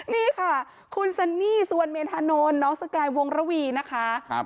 นี่ค่ะคุณซันนี่สุวรรณเมธานนท์น้องสกายวงระวีนะคะ